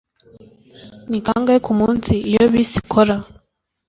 Ni kangahe kumunsi iyo bisi ikora